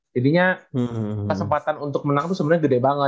jadinya kesempatan untuk menang itu sebenernya gede banget